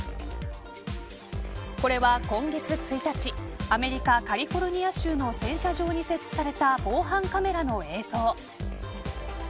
これは今月１日アメリカ、カリフォルニア州の洗車場に設置された防犯カメラの映像。